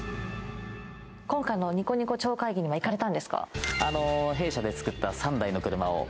今回のニコニコ超会議には行かれたんですか？